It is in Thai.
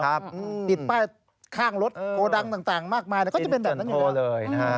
ติดป้ายข้างรถโกรทังมากมายก็เป็นแบบนั้นอยู่แล้ว